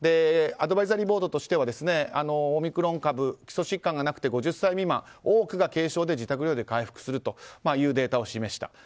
アドバイザリーボードとしてはオミクロン株基礎疾患がなくて５０歳未満多くが軽症で自宅療養で回復するというデータを示した。